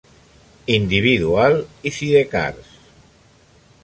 Individual i Sidecars.